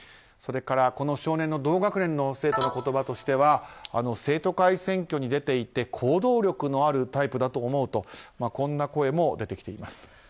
それからこの少年の同学年の生徒の言葉としては生徒会選挙に出ていて行動力のあるタイプだと思うとこんな声も出てきています。